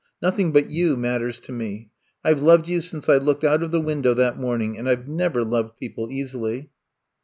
Nothing but you mat ters to me. I Ve loved you since I looked out of the window that morning — and I Ve never loved people easily.